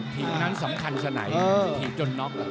ถีบนั้นสำคัญสักไหนถีบจนน็อค